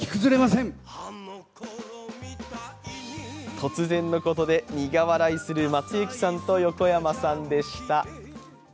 突然のことで苦笑いする松雪さんと横山さんでした。